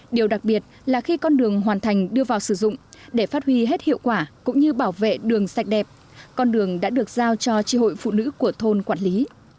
điều đặc biệt là khi con đường hoàn thành đưa vào sử dụng để phát huy hết hiệu quả cũng như bảo vệ đường sạch đẹp con đường đã được giao cho tri hội phụ nữ của thôn quản lý